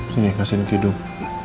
sini kasihin kidung